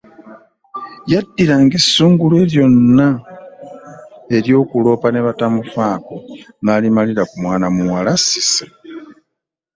Yaddiranga essungu lye lyonna ery'okuloopa ne batamufaako n'alimalira ku mwana muwala Cissy.